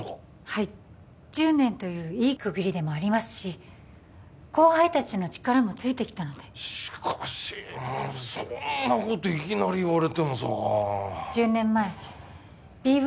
はい１０年といういい区切りでもありますし後輩達の力もついてきたのでしかしそんなこといきなり言われてもさ１０年前ＢＶ